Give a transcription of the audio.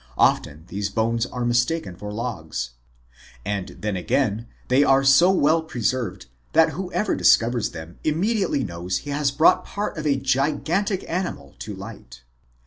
Often these bones are mistaken for logs. And then again they are so well preserved that whoever discovers them immediately knows he has brought part of a gigantic animal to light.